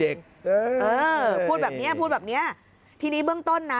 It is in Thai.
โอ้โหพูดแบบนี้พูดแบบนี้ทีนี้เบื้องต้นนะ